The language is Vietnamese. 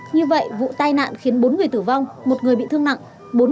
như vậy vụ tai nạn khiến bốn người tử vong một người bị thương nặng